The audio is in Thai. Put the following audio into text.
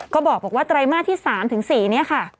ก็บอกว่าไตรมาสที่๓๔นี้ค่ะ